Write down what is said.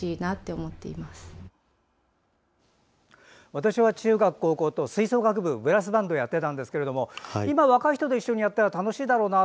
私は中学、高校と吹奏楽部ブラスバンドをやっていたんですけれども今、若い人と一緒にやったら楽しいだろうな。